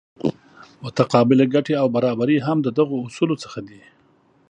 متقابلې ګټې او برابري هم د دغو اصولو څخه دي.